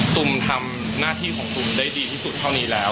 ตุมทำหน้าที่ของตุ๋มได้ดีที่สุดเท่านี้แล้ว